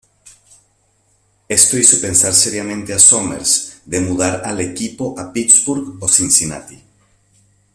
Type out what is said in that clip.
Esto hizo pensar seriamente a Somers de mudar al equipo a Pittsburgh o Cincinnati.